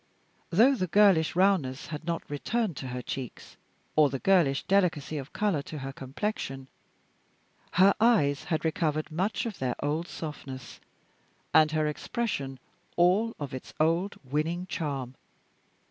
Though the girlish roundness had not returned to her cheeks, or the girlish delicacy of color to her complexion, her eyes had recovered much of their old softness, and her expression all of its old winning charm.